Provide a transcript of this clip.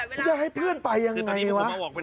จะให้เพื่อนไปยังไงวะ